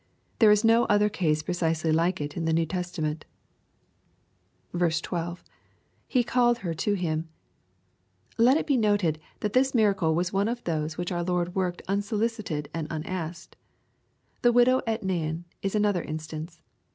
There is no other case precisely like it in the New Testament 12. — [He called her to Him ] Let it be noted, that this miracle waa one of those which our Lord worked unsolicited and unasked. The widow at Nain is another instance.